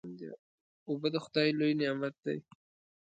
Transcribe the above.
اوبه د خدای لوی نعمت دی.